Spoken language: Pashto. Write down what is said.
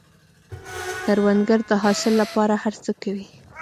کروندګر د حاصل له پاره هر څه کوي